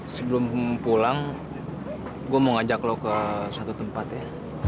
sebelum pulang gue mau ngajak lo ke satu tempat ya